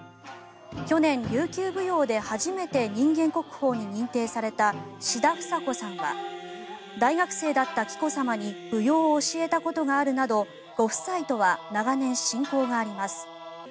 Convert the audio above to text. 去年、琉球舞踊で初めて人間国宝に認定された志田房子さんは大学生だった紀子さまに舞踊を教えたことがあるなどご夫妻とは長年、親交があります。